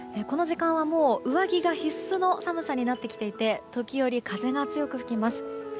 この時間はもう、上着が必須の寒さになってきていて時折、風が強く吹きます。